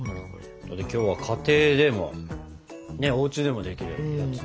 今日は家庭でもおうちでもできるやつ。